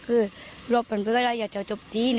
คืออย่ายุกัน